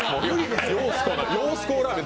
揚子江ラーメン